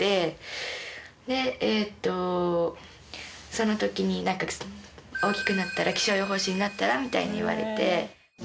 その時に「大きくなったら気象予報士になったら？」みたいに言われて。